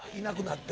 って。